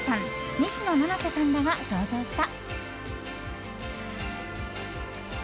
西野七瀬さんらが登場した。